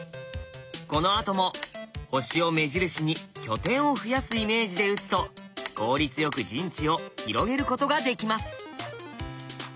このあとも星を目印に拠点を増やすイメージで打つと効率よく陣地を広げることができます。